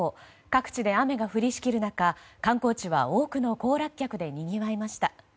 各地で雨が降りしきる中観光地は多くの行楽客でにぎわいました。